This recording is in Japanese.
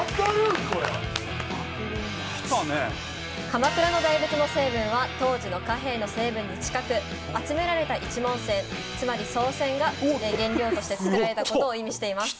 鎌倉の大仏の成分は当時の貨幣の成分に近く集められた一文銭つまり宋銭が原料として造られたことを意味しています。